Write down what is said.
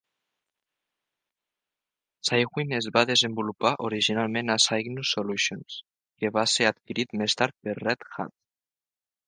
Cygwin es va desenvolupar originalment a Cygnus Solutions, que va ser adquirit més tard per Red Hat.